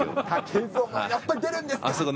竹園、やっぱり出るんですか？